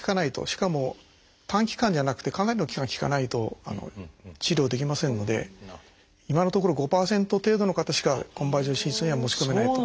しかも短期間じゃなくてかなりの期間効かないと治療できませんので今のところ５％程度の方しかコンバージョン手術には持ち込めないと。